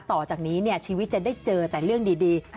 ต่อจากนี้ชีวิตจะได้เจอแต่เรื่องดี